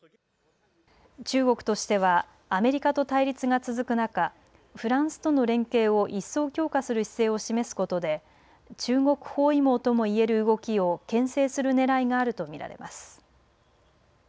中国としてはアメリカと対立が続く中、フランスとの連携を一層強化する姿勢を示すことで中国包囲網ともいえる動きをけん制するねらいがあると見られます。